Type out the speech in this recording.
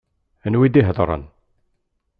Anwa i d-ihedṛen?